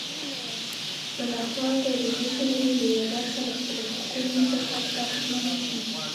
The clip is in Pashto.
بـله خـوا بـه د دې ټـولـنې لـويه بـرخـه لـه خپـلـو حـقـونـو څـخـه بـرخـمـنـه شـي.